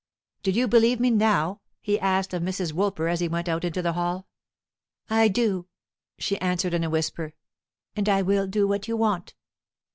"Do you believe me now?" he asked of Mrs. Woolper as he went out into the hall. "I do," she answered in a whisper; "and I will do what you want."